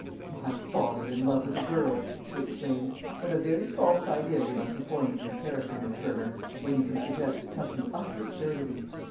"My father in love with a girl!" she exclaimed. "What a very false idea you must have formed of his character, Miss Fermor, when you can suggest such an utter absurdity!"